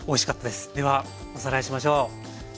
ではおさらいしましょう。